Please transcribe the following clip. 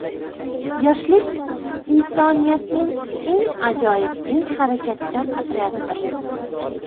Yoshlik iisoniyatning eng ajoyib, eng harakatchan otryadidir.